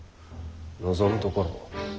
望むところ。